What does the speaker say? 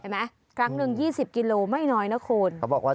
เห็นไหมครั้งหนึ่ง๒๐กิโลกรัมไม่น้อยนะคุณ